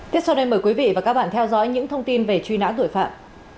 tiếp sau đây mời quý vị và các bạn theo dõi những thông tin về truy nã tội phạm